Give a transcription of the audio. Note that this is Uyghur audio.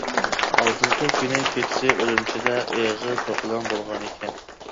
ئالدىنقى كۈنى كېچىسى ئۈرۈمچىدە ئېغىر توپىلاڭ بولغانىكەن!